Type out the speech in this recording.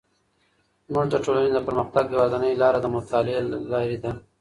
زموږ د ټولنې د پرمختګ یوازینی لاره د مطالعې له لارې ده.